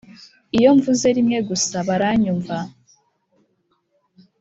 Iyo mvuze rimwe gusa baranyumva